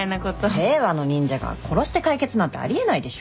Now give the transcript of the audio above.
令和の忍者が殺して解決なんてあり得ないでしょ。